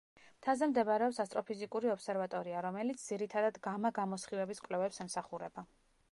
მთაზე მდებარეობს ასტროფიზიკური ობსერვატორია, რომელიც ძირითადად გამა-გამოსხივების კვლევებს ემსახურება.